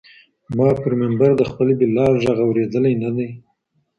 ما پر منبر د خپل بلال ږغ اورېدلی نه دی